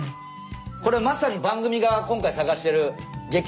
これまさに番組が今回探してる激